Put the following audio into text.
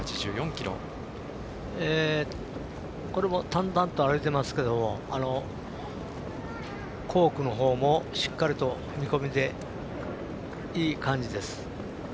淡々と歩いていますけど後駆のほうもしっかり踏み込みでいい感じです。